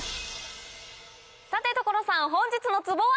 さて所さん本日のツボは？